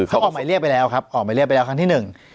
เขาออกหมายเรียกไปแล้วครับออกหมายเรียกไปแล้วครั้งที่หนึ่ง